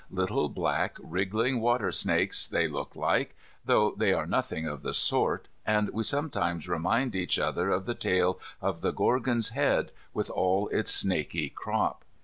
Little black wriggling water snakes they look like, though they are nothing of the sort, and we sometimes remind each other of the tale of the Gorgon's Head, with all its snaky crop.